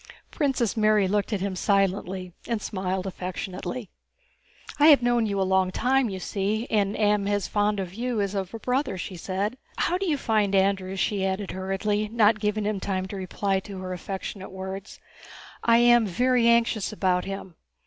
Princess Mary looked at him silently and smiled affectionately. "I have known you a long time, you see, and am as fond of you as of a brother," she said. "How do you find Andrew?" she added hurriedly, not giving him time to reply to her affectionate words. "I am very anxious about him.